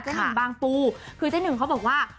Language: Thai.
หนึ่งบางปูคือเจ๊หนึ่งเขาบอกว่า